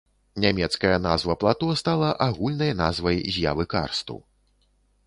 Нямецкая назва плато стала агульнай назвай з'явы карсту.